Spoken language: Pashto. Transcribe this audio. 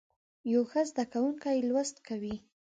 یو ښه زده کوونکی لوست کوي.